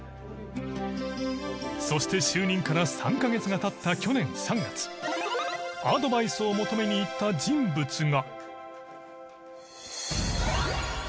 そして就任から３カ月が経った去年３月アドバイスを求めに行った人物が。